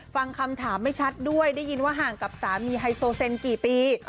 ฟังคำถามไม่ชัดด้วยได้ยินว่าห่างกับสามีไฮโซเซนกี่ปี